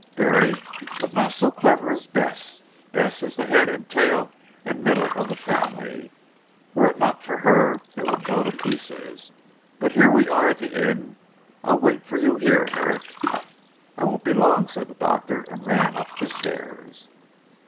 "Very, but not so clever as Bess. Bess is the head and tail and middle of the family. Were it not for her, it would go to pieces. But here we are at the inn. I'll wait for you here Herrick." "I won't be long," said the doctor, and ran up the stairs.